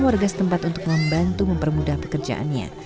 tapi juga keluarga setempat untuk membantu mempermudah pekerjaannya